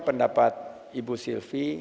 pendapat ibu sylvie